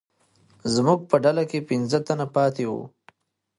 زموږ په ډله کې پنځه تنه پاتې وو.